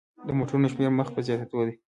د موټرونو شمیر مخ په زیاتیدو دی.